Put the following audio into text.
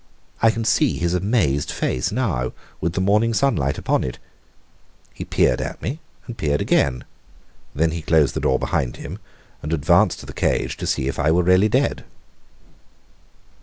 I can see his amazed face now, with the morning sunlight upon it. He peered at me, and peered again. Then he closed the door behind him, and advanced to the cage to see if I were really dead.